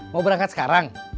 mau berangkat sekarang